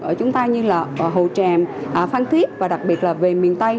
ở chúng ta như là hồ tràm phan thiết và đặc biệt là về miền tây